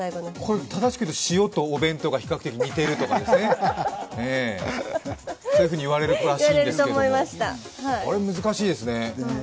正しく言うと、塩とお弁当が比較的似ているとか、そういうふうに言われるらしいですが難しいですね。